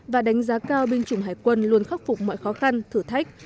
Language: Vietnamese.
và đánh giá cao binh chủng hải quân luôn khắc phục mọi khó khăn thử thách